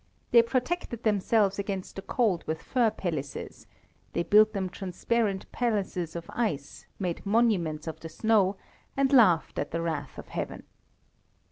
They protected themselves against the cold with fur pelisses; they built them transparent palaces of ice, made monuments of the snow, and laughed at the wrath of heaven.